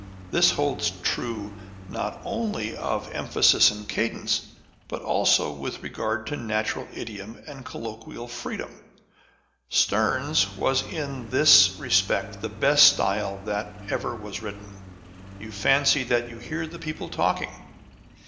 This holds true not only of emphasis and cadence, but also with regard to natural idiom and colloquial freedom. Sterne's was in this re spect the best style that ever was written. You fancy that you hear the people talking.